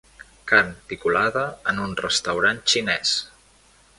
Carn picolada en un restaurant xinès.